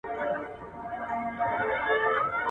وختي درملنه ژوند ژغوري.